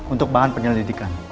untuk bahan penyelidikan